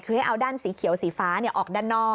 คือให้เอาด้านสีเขียวสีฟ้าออกด้านนอก